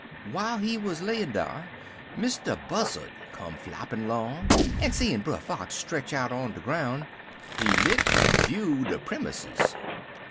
"While he wuz layin' dar, Mr. Buzzard come floppin' 'long, en seein' Brer Fox stretch out on de groun', he lit en view de premusses.